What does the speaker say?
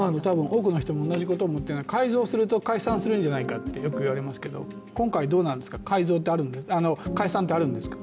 多くの人も同じことを思っている、改造すると解散すると思ってるんですけど今回、どうなんですか、解散ってあるんですか。